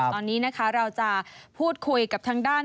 ตอนนี้นะคะเราจะพูดคุยกับทางด้าน